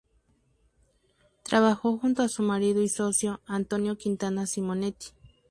Trabajó junto a su marido y socio, Antonio Quintana Simonetti.